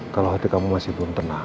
kalau hati kamu masih belum tenang